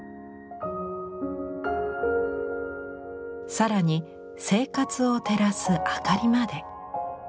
更に生活を照らすあかりまで。